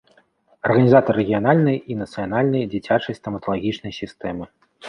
Арганізатар рэгіянальнай і нацыянальнай дзіцячай стаматалагічнай сістэмы.